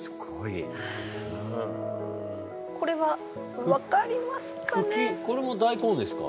これは分かりますかね？